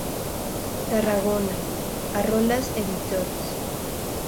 Tarragona: Arolas editors.